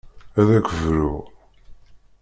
Ad ak-bruɣ.